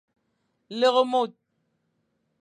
Lere mor.